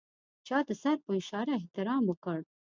چا د سر په اشاره احترام وکړ.